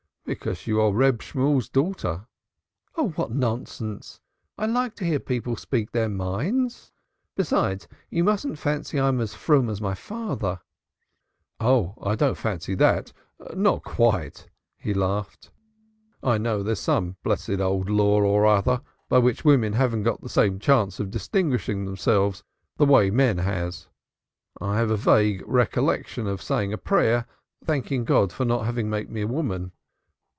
"Because you are Reb Shemuel's daughter." "Oh, what nonsense! I like to hear people speak their minds. Besides, you mustn't fancy I'm as froom as my father." "I don't fancy that. Not quite," he laughed. "I know there's some blessed old law or other by which women haven't got the same chance of distinguishing themselves that way as men. I have a vague recollection of saying a prayer thanking God for not having made me a woman."